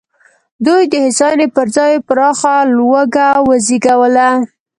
دوی د هوساینې پر ځای پراخه لوږه وزېږوله.